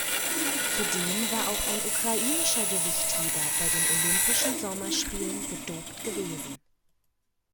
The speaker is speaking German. Zudem war auch ein ukrainischer Gewichtheber bei den Olympischen Sommerspielen gedopt gewesen.